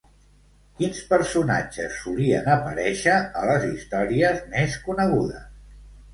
Quins personatges solien aparèixer a les històries més conegudes?